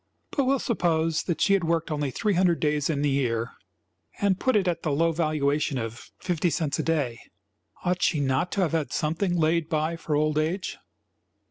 But we will suppose that she had worked only three hundred days in the year and put it at the low valuation of fifty cents a day, ought she not to have had something laid by for old age?